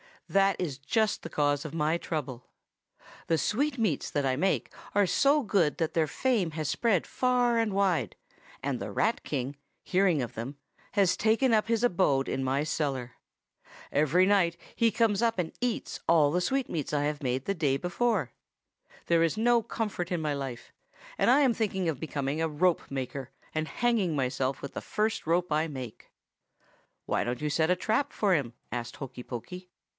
'That is just the cause of my trouble. The sweetmeats that I make are so good that their fame has spread far and wide, and the Rat King, hearing of them, has taken up his abode in my cellar. Every night he comes up and eats all the sweetmeats I have made the day before. There is no comfort in my life, and I am thinking of becoming a rope maker and hanging myself with the first rope I make.' "'Why don't you set a trap for him?' asked Hokey Pokey.